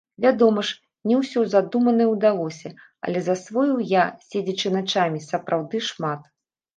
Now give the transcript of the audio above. Вядома ж, не ўсё задуманае ўдалося, але засвоіў я, седзячы начамі, сапраўды шмат.